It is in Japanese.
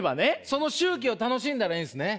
その周期を楽しんだらいいんっすね？